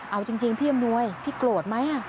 เอาจริงพี่อำนวยพี่โกรธไหม